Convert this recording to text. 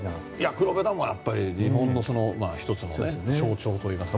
黒部ダムは日本の１つの象徴というか。